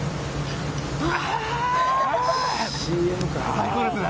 最高ですね！